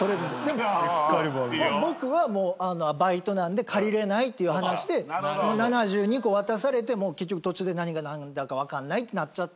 まあ僕はバイトなんで借りれないっていう話で７２個渡されて結局途中で何が何だか分かんないってなったんですけど。